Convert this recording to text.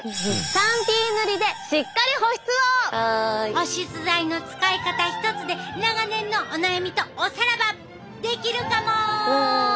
保湿剤の使い方一つで長年のお悩みとおさらばできるかも！